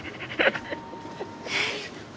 えっ？